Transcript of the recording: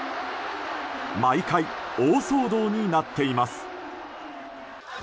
毎回、大騒動になっています。